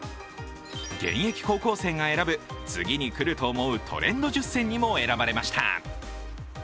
現役高校生が選ぶ次に来ると思うトレンド１０選にも選ばれました。